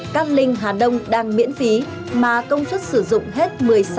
các linh hà đông đang miễn phí mà công suất sử dụng hết một mươi sáu năm